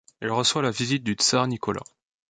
Il reçoit la visite du tsar Nicolas.